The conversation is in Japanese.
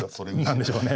何でしょうね。